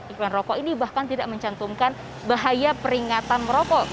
iklan rokok ini bahkan tidak mencantumkan bahaya peringatan merokok